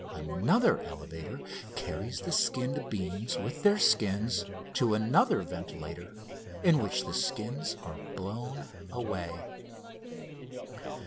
Another elevator carries the skinned beans with their skins to another ventilator, in which the skins are blown away.